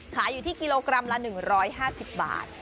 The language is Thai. ขายอยู่ที่กิโลกรัมละ๑๕๐บาท